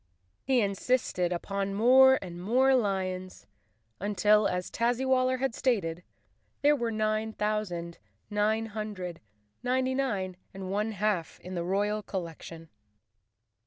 He in¬ sisted upon more and more lions, until, as Tazzywal ler had stated, there were nine thousand nine hundred ninety nine and one half in the royal collection.